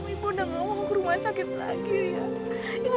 ibu udah gak mau ke rumah sakit lagi liya